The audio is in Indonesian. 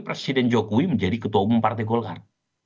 presiden jokowi menjadi ketua umum partai golkar